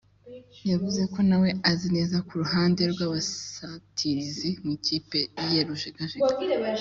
yavuze ko nawe azi neza ko uruhande rw’ubusatirizi mu ikipe ye rujegajega